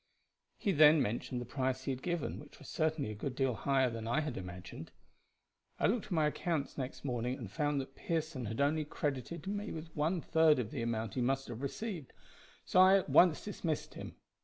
He then mentioned the price he had given, which was certainly a good deal higher than I had imagined. I looked to my accounts next morning, and found that Pearson had only credited me with one third of the amount he must have received, so I at once dismissed him.